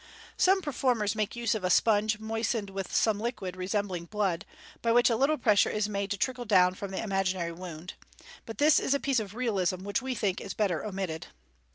(Some per formers make use of a sponge moistened with some liquid resembling blood, which by a little pressure is made to trickle down from the imaginary wound j but this is a piece of realism which we think is better omitted.)